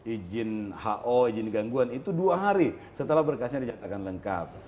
izin ho izin gangguan itu dua hari setelah berkasnya dinyatakan lengkap